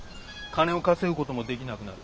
金を稼ぐこともできなくなる。